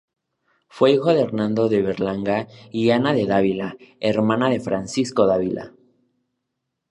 Fue hijo de Hernando de Berlanga y Ana de Dávila, hermana de Francisco Dávila.